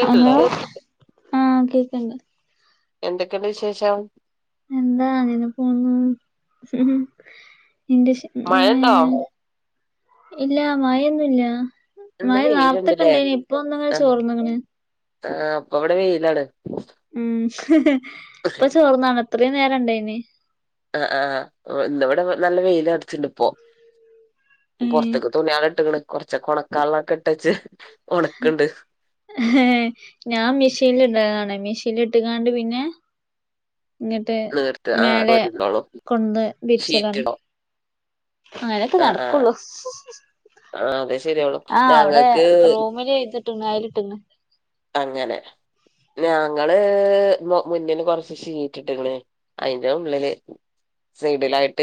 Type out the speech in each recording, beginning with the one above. Hello ആഹ കേക്കണ്ട് എന്തൊക്കെയണ്ട് വിശേഷം എന്താ അങ്ങനെ പോന്നു ഹും നിന്റെ ഏ മഴയുണ്ടോ ഇല്ല മായൊന്നുല്ല ഇന്ന് മയ നാർത്തൊക്കെ വെയിലുണ്ടല്ലേ ഇണ്ടയ്നി ഇപ്പ ഒന്നങ്ങനെ ആ ചോർന്ന്ക്ക്‌ണ് ആ ഇപ്പൊ അവിടെ വെയിലാണ് ഉം ഇപ്പൊ ചോർന്നാണ് ഇത്രയും നേരം ഇണ്ടയ്നി ആ ആ ഇവിടെ നല്ല വെയില അടച്ചിണ്ട് ഇ പോ ഏഹ് പുറത്തൊക്കെ തുണികള് ഇട്ടക്ക്ണ് കൊറച്ചക്ക ഒണക്കാള്ളൊക്കെ ഇട്ടച്ച് ഞാ മിഷൽ ഇടലണ് മിശീൽ ഇട്ടുകാണ്ട് പിന്നെ ഇങ്ങിട്ട് നീർത്ത് ആ മേലെ തോരിന്നോളൂ കൊട്ന്ന് വിരിച്ചലാണ് ഷീറ്റിടോ അങ്ങനെക്കെ ആ ആ നടക്കള്ളൂ ആ അതെ ശെരിയാകുള്ളൂ ഞങ്ങൾക്ക് ആയില്ട്ടങ്ങണ് അങ്ങനെ ഞങ്ങള് മുന്നില് കൊറച്ച് ഷീറ്റിട്ട്ക്ക്ണ് അയിറെ ഉള്ളില് സൈഡിലായിട്ട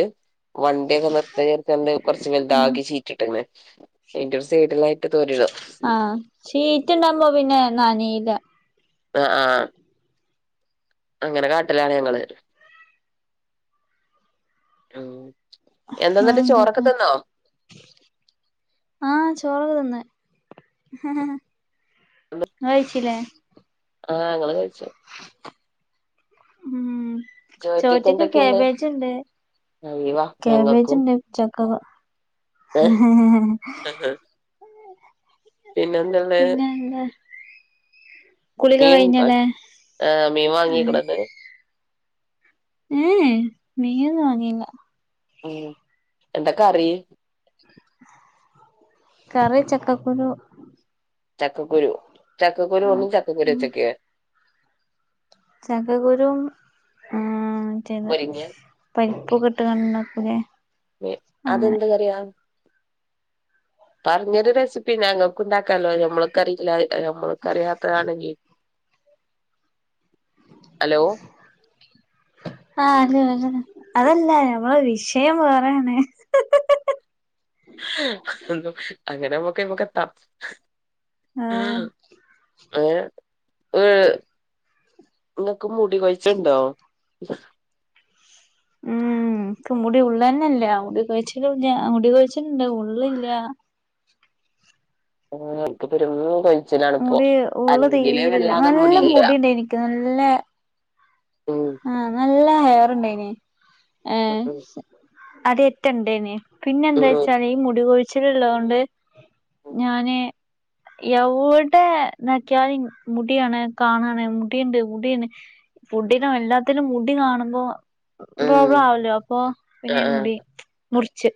വണ്ടിയൊക്കെ നിർത്തിഡിനോടുത്ത് കൊറച്ച് ആഹ് വൽതാക്കി ഷീറ്റിട്ട്ക്ക്ണ് അതിന്റെ സൈഡിലാ ആഹ് ഷീറ്റ്ണ്ടാവുമ്പോ പിന്നെ നനീ ന ആഹ ആഹ അങ്ങനെ കാട്ടിലാണ് ഞങ്ങള് ആ എന്താന്നിട്ട് ചോറൊക്കെ എന്തൊക്കെ തിന്നോ ആഹ ചോറക്കെ തിന്ന കഴിച്ചിലെ ആഹ്ഞങ്ങങ്ങള് കഴിച്ചു ഉം ചോറ്റ്ക്ക് കാബേജ ഇണ്ട് അയ്‌വാ കാബേജ ഞങ്ങക്കും ഉണ്ട് ഉച പിന്നെ എന്തുള്ള പിന്നെ എന്താ കുളിയൊക്കെ മീൻ ന്താ കഴിഞ്ഞല്ലേ മീൻ വാങ്ങീക്ക്ണന്ന ഏഎ മീനൊന്നും വങ്ങില്ല ഉ എന്തക്കറി കറി ചക്കക്കുരു ചക്കക്കുരു, ചക്കക്കുരു ആഹ് ഒന്നും ചക്കക്കുരു വെച്ചക്കെ ചക്കകുരുവും ആ ചെയ്ത് മുരിങ്ങ പരിപ്പൊ ട്ട്ണ്ടാക്കൂലേ അതെന്ത്‌ കറിയ പറഞ്ഞൊരു റെസിപ്പി ഞങ്ങൾക്ക് ഉണ്ടാക്കല്ലോ ഞമ്മളൊക്ക അറിയില്ല നമ്മൾ കറിയാത്തതാണെങ്കി ഹലോ ആ അലോ അങ്ങനെ അതല്ല മ്മളെ വിഷയം വേറാണ് [unintelligible] [unintelligible] അങ്ങനമ്മക്കയ്മക്കെത്താം ആ ആഹ് അവ് വ് ങ്ങക്ക് മുടി കൊഴിച്ചുണ്ടോ? ഉം... ഉം. ക്ക് മുടി ഉള്ളെന്നെല്ല മുടിക്കൊഴിച്ച്ലൂം ല്ല മുടികൊഴിച്ച്ല്ണ്ട് ഉള്ളില്ല ആ... ക്ക് പെരും പ നിഛലാപ്പൊ മുടി ഉള്ള് അല്ലെങ്കില് തീരില്ല നല്ല വല്ലാതെമുടില്ല. മുടിണ്ട് ആ... നല്ല ഹെയറ് ണ്ടേയ്നീ.. ഉം ഉം അദ്യത്തെണ്ടേന് പിന്നെന്താ ഉം വെച്ചാല് ഈ മുടി കുഴിച്ചിലുള്ളോണ്ട് ഞാന്... എവ്ടെ ന്നോക്ക്യാലും മുടികാണാണ് മുടിണ്ട് മുടെണ് ഫുഡി ലുംഅല്ലാത്തിലും മുടി കാണുമ്പോ അ ഉം പോബ്ലാവല്ലൊ അപ്പൊ പിന്നെഞാ ആഹ് മുടി മുറിച്ച്.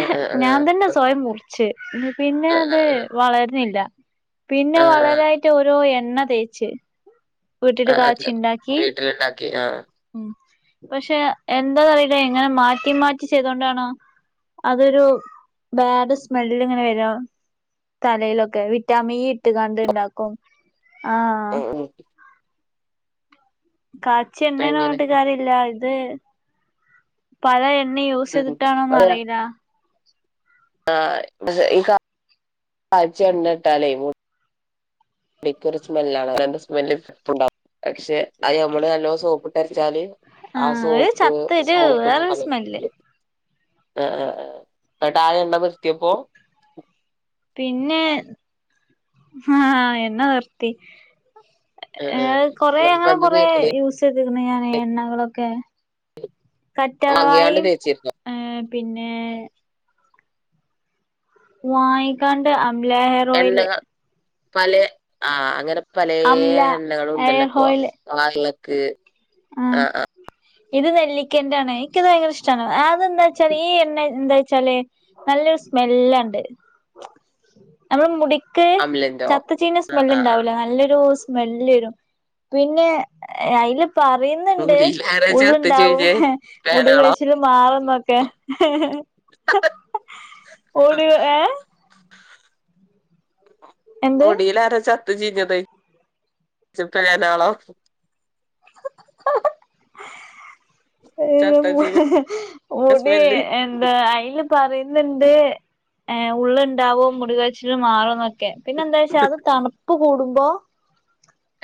ആഹ് ആഹ് ആഹ് ഞാൻ തന്നെ സ്വയം ആഹ് മുറിച്ച് പിന്നഅത് വളര്ണില്ലാ.. ആഹ് പിന്നെവളരായിട്ടോരോ എണ്ണതേച്ച് വിട്ടില് ആഹ് ആഹ് കാച്ച്ണ്ടാക്കി വീട്ടിലുണ്ടാക്കി ആഹ് ഉം. പഷേ.. എന്താന്ന്റിയില്ല ഇ ങ്ങനെ മാറ്റി മാറ്റി ചെയ്തോണ്ടാണോ അതൊരു ബാഡ്സ്മെല്ല്ങ്ങനെ വരാ തലയിലൊക്കെ വിറ്റാമിൻ ഇ ഇട്ട്ക്കാണ്ട് ണ്ടാക്കും ആ... ഉം ഉം എങ്ങനെ കാചെണ്ണാന്ന്പറഞ്ട്ട്കാര്യല്ലാ... ഇത് പല എ എണ്ണ ഉം യൂസെയ്തിട്ടാണോന്ന് അറിയില ആ ക്ഷെ ഈ കാച്ചിയെണ്ണ ഇട്ടാലെ, മുടി ക്കൊരു സ്മെല്ലാണ് ത ണ്ട് സ്മെല്ല്പ്പണ്ടാവും. പക്ഷെ അയ് ഞമ്മള് നല്ലൊം സോപ്പ് ട്ടൊരച്ചാല് ആ ആഹ് ഒരു സോപ്പ് ചത്തൊരു വേറൊരു സോപ്പ്ന്റെപത സ്മെല്ല് അ അ ന്ന്ട്ടാ എണ്ണനിർത്യപ്പോ... പിന്നെ.. ഹാ... എണ്ണ നിർത്തി. ആഹ് ഏ... ആഹ് അപ്പൊ എന്താ കൊറെഅങ്ങനെകൊറെ തേക്കല് യൂസെയ്ത്ക്ക്‌ണ് ഞാന് എണ്ണകളൊക്കെ വാങ്ങിയാണ്ട് കറ്റാർവായും തേച്ചിരുന്നോ ഏ... പിന്നേ... വാങ്ങിക്കാണ്ട് എണ്ണ അംലഹെയറോയില് പലേ.. ആ.. അങ്ങനെ പലേ... അംല എണ്ണകളുണ്ടല്ലപോ പാർളക്ക് അ ഇത് നെല്ലിക്കെന്റൊണ് നിക്ക്‌ത് ഭയങ്കരഷ്ട്ടാണ് ആ.. അത് ന്താച്ചാല് ഈ എണ്ണേൻ ന്താ ന്താചാല് നല്ലൊരു സ്മെല്ലാണ്ട് നമ്മള് മുടി ക്ക് അമ്ലന്റോ ചത്ത്ച്ചീഞ ആഹ് സ്മെല്ല് ആഹ് ആഹ് ണ്ടാവൂല നല്ലൊരു സ്മെ സ്മെല്ല് വരും പിന്നെ അയ്ല് പറയ്ന്ന്ണ്ട് മുടിയിലാരാ ചത്ത് ഉള്ളുണ്ടാവും ചീഞ്ഞേ മുടി ഫെനാളോ കൊഴിച്ചില് മാറ്ന്നൊക്കെ [unintelligible] ഓടി ഏ... എന്ത് മുടീലാരോ ചത്ത് ചീഞ്ഞത് പേനാളോ.. ഏ ചത്ത മ്.. ചീഞ്ഞ സ്മെല്ല് മുടിഎന്താ... അയ്ല് പറയ്ന്ന്ണ്ട് ഏ ഉള്ള്ണ്ടാവും മുടികൊഴിച്ചില് മാറുന്നൊക്കെ പിന്നെന്താച്ചാ.. അത് തണുപ്പ് കൂടും മ്പോ...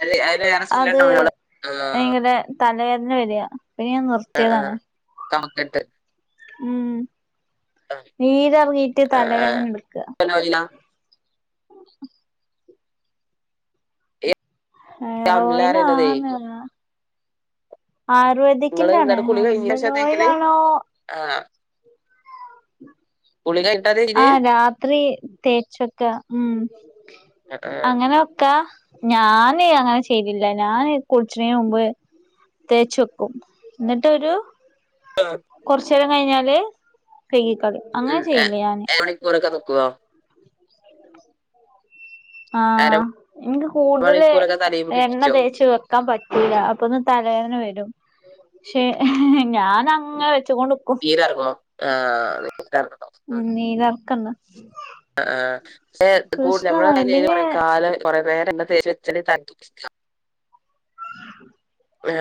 അത് അത് വേറെ അത് സ്മെല്ലുണ്ടാവൂലല്ലോ ആഹ് എങ്ങടെ തലേ... പേന് വരാ... അപ്പ ഞാൻ നിർത്തീതാണ്. കഫ ക്കെട്ട് ഉം നീരെറങ്ങീട്ട് ആഹ് തലവേദനട്ക്ക.. ആഹ.. ഈ അമ്ല പറയണതേ ഹേറോയിലാണ് ഇങ്ങള് ആയുർവേദിക്കിന്റെ ആണ് ന്നട്ട് കുളി ഹെർബൽ കഴിഞ്ഞേശാ തേക്കല് ഓയിലാണോ ആഹ് കുളി കഴിഞ്ഞിട്ടാ തിരിഞ്ഞ് ആഹ രാത്രി തേച്ചൊക്കെ ഉം. ആഹ് അങ്ങനെ വക്കാ ഞാന് അങ്ങനെ ചെയ്തില്ല ഞാന് കുടിച്ചണിന് മുമ്പ്. തേച്ച് വെക്കും ന്നട്ട് ഒരു. കൊർച്ചേരം കഴിഞ്ഞാല് കഴ്കി കളയും അങ്ങനെ ചെയ്യല് ഞാന്. എ മണിക്കൂറൊക്കെ നിക്കോ ആ ഇൻക്ക് കൂടുതല് അരമണിക്കൂറൊക്കെ തലയിൽ എണ്ണ പിടിപ്പിച്ചോ തേച്ച് വെക്കാൻ പറ്റുല അപ്പൊന്ന്. തലവേദന വരും പക്ഷേ ഞാന ങ്ങനെ വെ നീരർങ്ങോ ആ [inaudible] ഉം നീലർക്കണ്ട് ആ ആ ക്ഷേ കൂ നങ്ങള കൃഷ്ണതാണ് തലേല് പിന്നെ കൊറെ കാലം കൊറെ പേ എണ്ണ തേച്ച് വെച്ചി നേ [unintelligible] ആ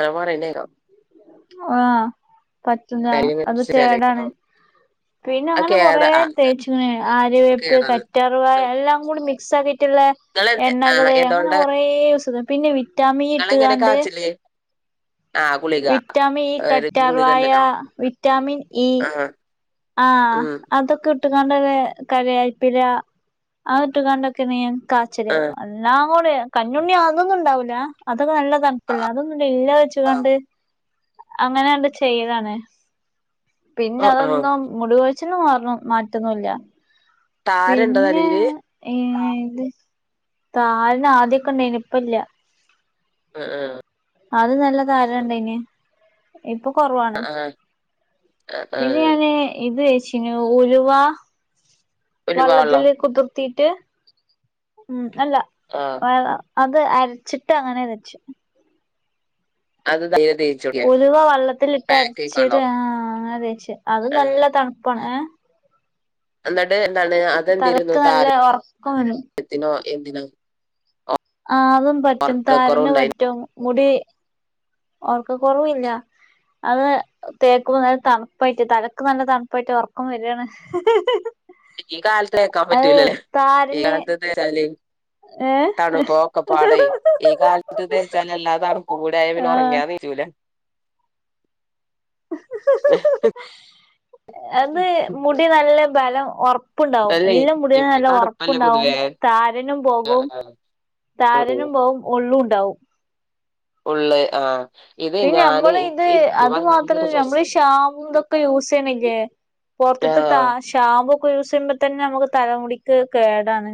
ആ പറിണേ ക്കാ ആ പറ്റുല തലയിങ്ങനെ അത് പിടിച്ചാലേ കേടാണ്. പിന്നെ അത് അങ്ങനെ കൊറെ കേടാ ആഹ് ഇങ്ങക്ക് തേച്ച് ന് ആരിവേപ്പ് കേടാണ് കറ്റാർവായ എല്ലാം കൂടി മിക്സ് ആ ട്ട്ള്ള ഇങ്ങള് ആഹ് എണ്ണകള് അങ്ങനെ എന്തുകൊണ്ടാ കുറെ സുഖം പിന്നെ വിറ്റാമി ഇങ്ങളെങ്ങനെ ഇട്ട്കാണ്ട്. കാച്ചല് ആഹ് ഗുളിക വിറ്റാമിൻ ഇ ഒരു കറ്റാർവായ ഗുളികണ്ടല്ലോ വിറ്റാമിൻ ഇ. ആഹ് ആ ഉം അതൊക്കെ. ഇട്ടുകാണ്ട് വേ കരേൽപ്പില അഹ് ഇട്ട് കാണ്ടൊക്കെണ് ഞാൻ കാച്ചല് ആഹ് അല്ലാ കൂടെ കഞ്ഞുണ്ണി അതൊന്നും ഉണ്ടാവൂല അതൊക്കെ നല്ല തണ്പ്പല്ലേ അതൊന്നുംല്ല ഇല്ല വെച്ച് കാണ്ട്. അങ്ങനെണ്ട് ചെയ ലാണ് പിന്നെ ആഹ് ആഹ് അതൊന്നും. മുടി കൊഴിച്ച്ൽന് മാറ് മാറ്റൊന്നുല്ല താരണ്ടോ പിന്നെ. തലയില് ഏ ത് താരന് ആദ്യൊക്കെ ണ്ടായിനി ഇപ്പ ല്ല അ ആ ആദ്യം നല്ല താര ണ്ടനി ഇപ്പൊ കുറവാണ് ആഹ് ആഹ് പിന്നെ ആഹ് ഞാന് ഇത്. ച്ചീനി ഉലുവ ഉലുവ വെള്ളം വള്ളത്തില് കുത്ർ ത്തിട്ട് ഉം അല്ല ആഹ് വെള്ളം അത് അരച്ച്ട്ട് അങ്ങനെ വെച്ചു. അത് [inaudible] ഉലുവ വള്ളത്തിലിട്ട് പാക്കേക്കാണോ അരച്ചിട്ട് ആ അങ്ങനെ തേച്ച് അത് ആഹ് നല്ല തണ്പ്പാണ് ഏ എന്നിട്ട് എന്താണ് അതെന്തിരുന്നു തലക്ക് നല്ല ഒറക്കം വരും താരത്തിനോ എന്തിനാ [unintelligible] ആ അതും പറ്റും താരന്പറ്റും മുടി. ഓർക്ക കുറവ് ല്ല. അത് തേക്കുമ്പോ നല്ല തണ്പ്പായിട്ട് തലക്ക് നല്ല തണ്പ്പായിട്ട് ഒറക്കം വരാണ് ഈ കാലത്ത് തേക്കാൻ അത് പറ്റൂലല്ലേ ഈ താരന് കാലത്ത് തേച്ചാല് ഏ തണുപ്പൊ ഒക്കെ പാടെ ഈ കാലത്ത് തേച്ചാല് എല്ലാ തണുപ്പ് കൂടിയായ പിന്നെ ആ ഒറങ്ങിയാ നീച്ചൂ ല്ല അത് മുടി നല്ല ബലം ഒർ പ്പ്ണ്ടാവും അല്ലേ ഇല്ല മുടിനെ ഇപ്പൊ നല്ല തണുപ്പല്ലേ ഒറപ്പ്ണ്ടാവും പൊതുവേ താരനും പോകും താരനും പോവും ഉള്ളും ണ്ടാവും ഉള്ള് ആ പിന്ന നമ്മള് ഇത് അത് ഭയങ്കര മാത്രല്ല നമ്മള് ചൊറിച്ചില് ഷാമ് ഇതൊക്കെ യൂസ് ചെയ്യ്ണ്ല്ലേ. പൊർത്ത്തെ ആഹ് താ ഷാമ്പൂ ക്കെ യൂസ് ചെയ്യുമ്പോ തന്നെ നമുക്ക് തലമുടിക്ക് കേടാണ്.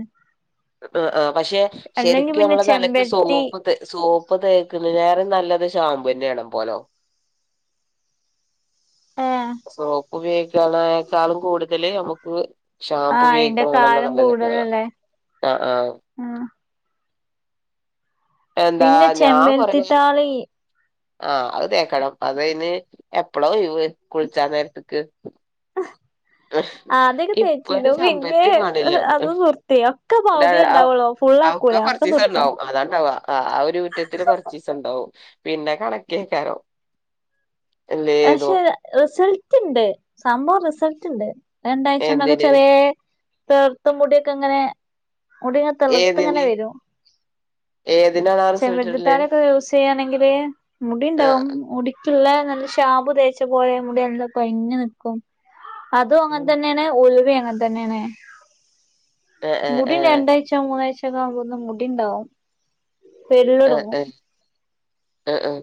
ആ ആ പക്ഷെ അല്ലെങ്കി ശരിക്കും പിന്നെ നമ്മള് തലക്ക് ചെമ്പരത്തി സോപ്പ് സോപ്പ് തേക്ക് ണേലേറെ. നല്ലത് ഷാമ്പുന്നെ ണം പോലോ. ഏഹ് സോപ്പ് ഉപയോഗിക്കാനേക്കാളും കൂടുതല് നമുക്ക്. ഷാമ്പൂ ആഹ് ഉപയോഗി ക്ക് അയിന്റെ ണതാണോ കാലം ല്ലേനല്ലത് കൂടുതലല്ലേ ആ ആ ആഹ് എന്താ പിന്നെ ഞാ കൊറെ ചെമ്പരത്തിത്താളി ആ അത് തേക്കണം അതയിന് എപ്പള ഒയ്‌വ് കുളിച്ചാനേരത്ത്ക്ക്. ആദ്യൊക്കെ ഇപ്പൊ ഒരു തേച്ചീനു പിന്നെ സമ്പത്തികാണില്ല. അത് നിർത്തി ഒക്കെ പകുതിയേ ഉണ്ടാവുള്ളൂ അവക്ക ഫുള്ളാക്കൂല ഒക്കെ നിർത്തും കുറച്ചീസീണ്ടാവും അതാണ്ടവാ ആ ആ ഒരു ഊറ്റത്തില് കുറച്ചീസ ഉണ്ടാവും. പിന്നെ കണക്കേക്കാ രം പക്ഷെ റിസൾട്ട് ഇണ്ട് സംഭവം റിസൾട്ട് ഇണ്ട്. രണ്ടാഴ്ച ഉണ്ടൊക്കെ എന്തിന് ചെറിയതെർത്ത മുടിയൊക്കെ ഇങ്ങനെ. മുടിങ്ങ്തളർത്ത് ഇങ്ങനെ ഏതിന് വരും ഏതിനാണാ റിസൾട്ട് ഇടല് ചെമ്പരത്തിതാളിയൊക്ക യൂസ് ചെയ്യണെങ്കിൽ മുടി ഉണ്ടാവും ആഹ് മുടിക്കുള്ള ഷാമ്പ് തേച്ചപോലെ മുടി എന്താ കൊഴഞ്ഞനിക്കും അതും അങ്ങനെ തന്നെയാണ് ഉലുവേം. അ തന്നെയാണ് ആഹ് ആഹ് ആഹ് മുടിരണ്ടാഴ്ച്ചോ മൂന്നാഴ്ച്ചോ. മ്പോന്ന മുടിഇണ്ടാവും തെള്ളുടങ്ങും. ഉം ഉം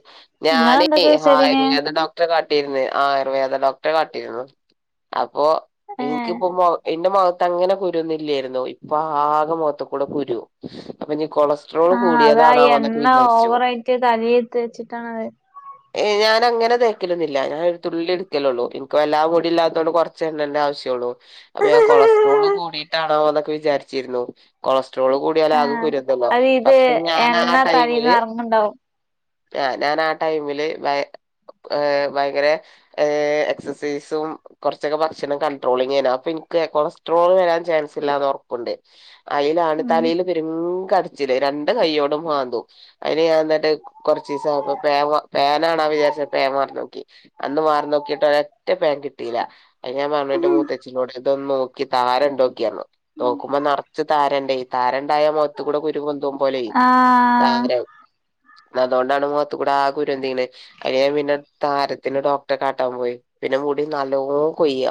ഞാന യൂസ് ചെയ്തീന് ആയുർവേദ ഡോക്ടറെ കാട്ടിരുന്ന ആയുർവേദ ഡോക്ടറെ. ട്ടിരുന്നു അപ്പൊ ഏഹ് ഇനിക്കിപ്പോ ഇന്റെ മ ട്ടഅങ്ങനെ കുരുന്നില്ലായിരുന്നു ഇപ്പൊ ആകെ മൊഖത്തകൂടെ കുരു അപ്പോനിപ്പോ ആഹ അതാ എണ്ണ ഓവറയിട്ട് തലെതേച്ചിട്ടാണത്. ഏ ഞാന അങ്ങനെ തേക്കലൊന്നുല ഞാൻ ഒരു തുള്ളി എടുക്കലുള്ളു എനിക്ക് വല്ലാ മുടിയിലാതോണ്ട് കൊറച്ച എണ്ണന്റെ ആവശ്യെള്ളു. അപ്പൊ ഞാൻ കൊളസ്ട്രോള് കൂടിയിട്ടാണോന്നൊക്കെ വിചാരിച്ചിരുന്നു കൊളസ് ട്രോള് കൂടിയാലാകെ ആഹ് കുരൊന്തലോ അത് ഇത് ല്പക്ഷെ ഞാനാ എണ്ണ തലീന്ന് ടൈമില്. എറങ്ങുണ്ടാവും ആ ഞാനാ ടൈമില് ഭായ ഭയങ്കര എക്സസൈസും. കുറച്ചൊക്കെ ഭക്ഷണം കണ്ട്രോളിങേനു അപ്പൊനിക്ക് കൊളസ്ട്രോൾ വരാൻ ചാൻസ് ഇലാന്ന് ഒറപ്പിണ്ട്‌. അയിലാണ് ഉം തലയില് പെരും കടച്ചിൽ രണ്ടകയ്യോടും മാന്തും അയിന് ഞാൻ ന്നിട്ട് കൊറചീസം ആവുമ്പോ പേന വിചാരിച്ച പേൻ വാർന്നോക്കി അന്ന് വാർന്നോക്കീട്ട് ഒരൊറ്റ പേൻ കിട്ടില്ല. അ ഞാൻ പറഞ്ഞു എന്റെ മൂത്തചീനോടെ ഇതൊന്ന് നോക്കി താരണ്ടൊക്കി പറഞ് നോക്കുമ്പോ നെറച്ച് താരണ്ട്‌. താര ഉണ്ടായ മുഖത്തകൂടെ കുരുപൊന്തും പോലെയ് ആഹ് താരം. അതോണ്ടാണ് മുഖത്തകൂടെ ആകെ കുരുപൊന്തയെണെ അങ്ങനെ ഞാൻ പിന്നെ താരത്തിന് ഡോക്ടറെ കാട്ടാൻ പോയി പിന്നെ. മുടി നാലോംകൊയ.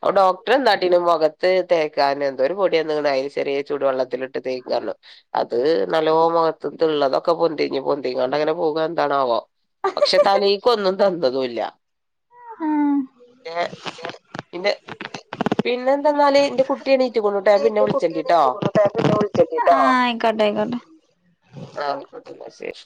അപ്പൊ ഡോക്ടറെ ന്താട്ടീന് മുഖത്ത് തേക്കാനെന്തോ ഒരു പൊടിയന്ന്ക്ക്ണ് അയ്ന്ചെറിയെ ചൂട്വെള്ളത്തിലിട്ട് തേകാനോ അത് നലവോമകത്തള്ളതൊക്കെ പൊന്തി. ന്തിങ്ങാട്ടങ്ങനെ പോക എന്താണാവോ പക്ഷെ തലേക്ക് ഒന്നും തന്നതുല്ല. ആഹ് പിന്നെ പിന്നെ പിന്നെന്തെന്നാാല എന്റെ കു എണീറ്റ്ക്ക്ണുട്ടോ ഞാൻ ട്ടി എന്നീട്ടിക്കുണു ഞാൻ പിന്നെ വിളിചെണ്ടട്ടോ ആ ആയിക്കോട്ടെ ന്നാ ശെരി.